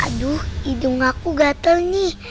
aduh hidung aku gatel nih